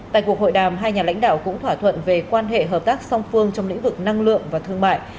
tại cuộc hội đàm hai nhà lãnh đạo cũng thỏa thuận về quan hệ hợp tác song phương trong lĩnh vực năng lượng và thương mại